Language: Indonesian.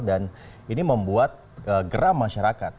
dan ini membuat geram masyarakat